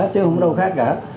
chứ không có đâu khác cả